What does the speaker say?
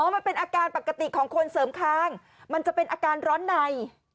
มันเป็นอาการปกติของคนเสริมคางมันจะเป็นอาการร้อนใน